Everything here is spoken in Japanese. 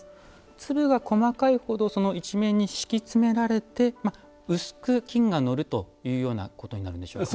粒が細かいほど一面に敷き詰められて薄く金がのるというようなことになるんでしょうかね。